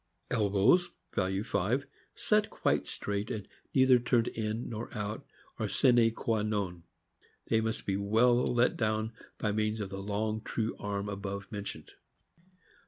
Elbows (value 5) set quite straight, and neither turned in nor out, are a sine qua non. They must be well let down by means of the long true arm above mentioned.